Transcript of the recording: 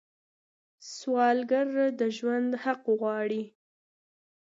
سوالګر د ژوند حق غواړي